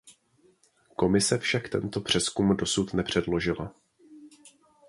Komise však tento přezkum doposud nepředložila.